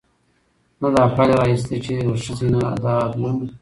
نه دا پايله راايستې، چې له ښځې نه د ادلون